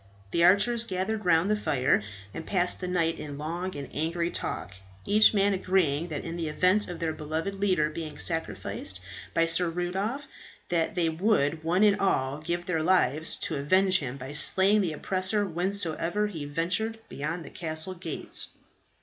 The archers gathered round the fire and passed the night in long and angry talk, each man agreeing that in the event of their beloved leader being sacrificed by Sir Rudolph, they would one and all give their lives to avenge him by slaying the oppressor whensoever he ventured beyond the castle gates.